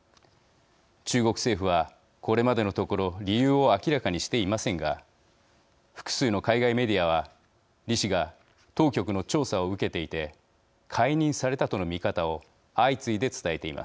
中国政府はこれまでのところ理由を明らかにしていませんが複数の海外メディアは李氏が当局の調査を受けていて解任されたとの見方を相次いで伝えています。